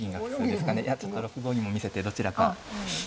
いやちょっと６五銀も見せてどちらか。